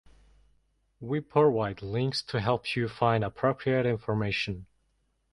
We porovide links to help you find appropriate information.